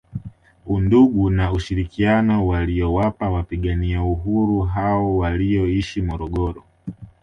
Undugu na ushirikiano waliowapa wapigania Uhuru hao walioishi Morogoro